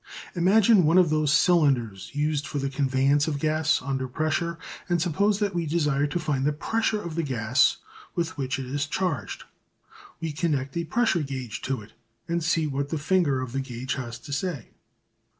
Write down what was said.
Imagine one of those cylinders used for the conveyance of gas under pressure and suppose that we desire to find the pressure of the gas with which it is charged. We connect a pressure gauge to it, and see what the finger of the gauge has to say.